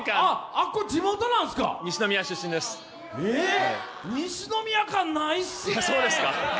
あっこ地元なんですか、西宮感ないっすね！